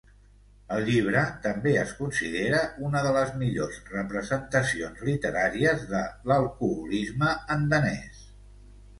El llibre també es considera una de les millors representacions literàries de l'alcoholisme en danès.